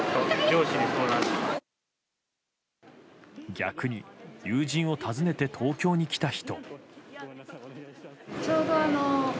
逆に友人を訪ねて東京に来た人。